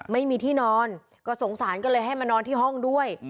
ไม่มีที่นอนก็สงสารก็เลยให้มานอนที่ห้องด้วย